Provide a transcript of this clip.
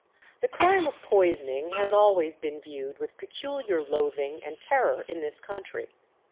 The crime of poisoning has always been viewed with peculiar loathing and terror in this country.